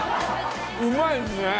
うまいですね。